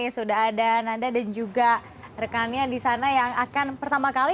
sudah ada nanda dan juga rekannya di sana yang akan pertama kali